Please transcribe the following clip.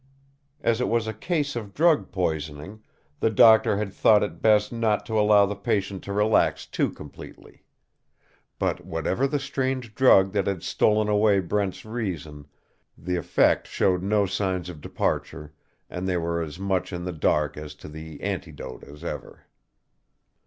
As it was a case of drug poisoning, the doctor had thought it best not to allow the patient to relax too completely. But, whatever the strange drug that had stolen away Brent's reason, the effect showed no signs of departure, and they were as much in the dark as to the antidote as ever.